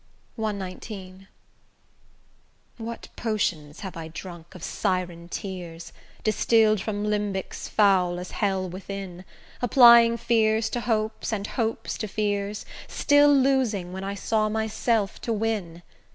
CXIX What potions have I drunk of Siren tears, Distill'd from limbecks foul as hell within, Applying fears to hopes, and hopes to fears, Still losing when I saw myself to win!